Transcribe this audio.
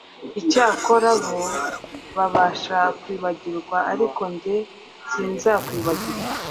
Icyakora bo babasha kwibagirwa, ariko jye sinzakwibagirwa.